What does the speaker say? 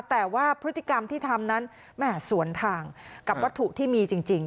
แต่ว่าพฤติกรรมที่ทำนั้นแม่สวนทางกับวัตถุที่มีจริง